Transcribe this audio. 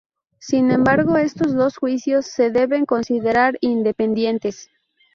Sin embargo, estos dos juicios se deben considerar independientes.